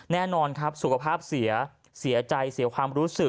แน่นอนครับสุขภาพเสียใจเสียความรู้สึก